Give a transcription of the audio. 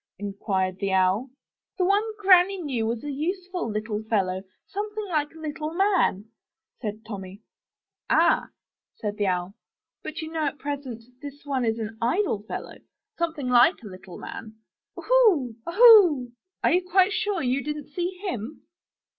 *' inquired the Owl. *The one Granny knew was a useful little fellow, something like a little man, said Tommy. *'Ah! said the Owl, ''but you know at present this one is an idle fellow, something like a little man. Oohoo! oohoo! Are you quite sure you didn't see him?